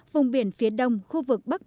vùng biển phía đông khu vực bắc biển